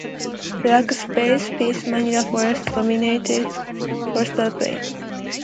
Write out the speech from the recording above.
Black spruce ("Picea mariana") forest dominates the coastal plain.